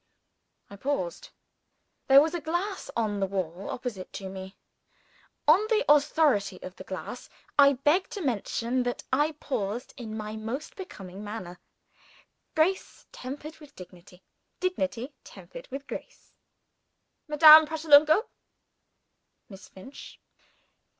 I paused. There was a glass on the wall opposite to me. On the authority of the glass, I beg to mention that I paused in my most becoming manner. Grace tempered with dignity: dignity tempered with grace. "Madame Pratolungo!" "Miss Finch?"